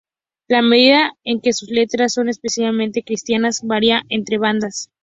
La medida en que sus letras son explícitamente cristianas varía entre bandas.